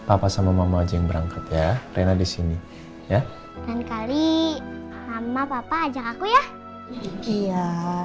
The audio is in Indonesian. papa sama mama aja yang berangkat ya rena disini ya kan kali hambat papa ajak aku ya iya